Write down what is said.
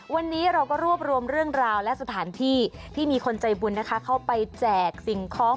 วันนี้เราก็รวบรวมเรื่องราวและสถานที่ที่มีคนใจบุญนะคะเข้าไปแจกสิ่งของ